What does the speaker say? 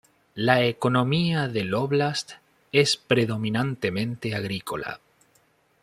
La economía del óblast es predominantemente agrícola.